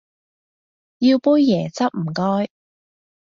要杯椰汁唔該